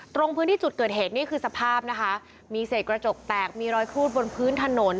ตรงพื้นที่จุดเกิดเหตุนี่คือสภาพนะคะมีเศษกระจกแตกมีรอยครูดบนพื้นถนน